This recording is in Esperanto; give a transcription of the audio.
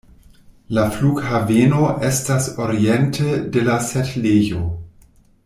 La flughaveno estas oriente de la setlejo.